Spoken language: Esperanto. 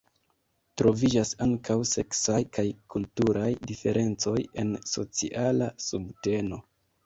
Troviĝas ankaŭ seksaj kaj kulturaj diferencoj en sociala subteno.